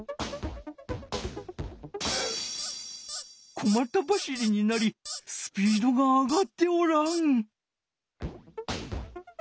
小また走りになりスピードが上がっておらん。